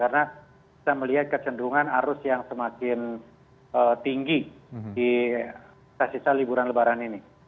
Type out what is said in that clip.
karena kita melihat kecenderungan arus yang semakin tinggi di sasisa liburan lebaran ini